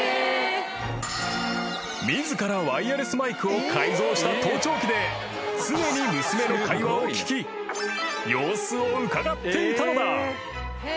［自らワイヤレスマイクを改造した盗聴器で常に娘の会話を聞き様子をうかがっていたのだ］